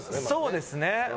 そうですね。